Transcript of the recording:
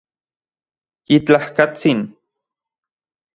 Yitlajkatsin